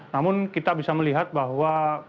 namun kita bisa melihat bahwa